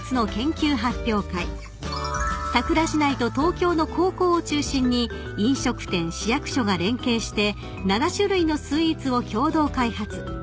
［佐倉市内と東京の高校を中心に飲食店市役所が連携して７種類のスイーツを共同開発］